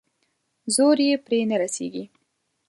زور يې پرې نه رسېږي.